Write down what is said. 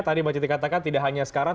tadi mbak citi katakan tidak hanya sekarang